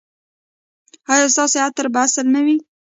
ایا ستاسو عطر به اصیل نه وي؟